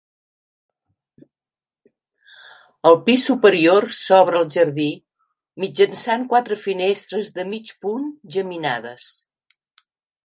El pis superior s'obre al jardí mitjançant quatre finestres de mig punt geminades.